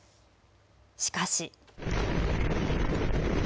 しかし。